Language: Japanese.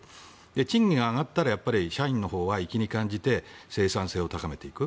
賃金を上げたら社員のほうは意気に感じて生産性を高めていく。